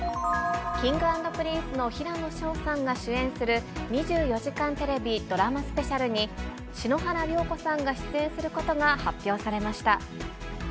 Ｋｉｎｇ＆Ｐｒｉｎｃｅの平野紫燿さんが主演する２４時間テレビドラマスペシャルに、篠原涼子さんが出演することが発表されました。